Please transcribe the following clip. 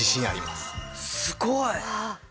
すごい！